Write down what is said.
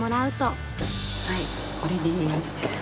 はいこれです。